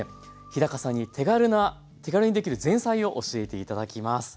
日さんに手軽にできる前菜を教えて頂きます。